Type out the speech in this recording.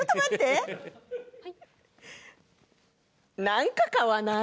なんか買わない？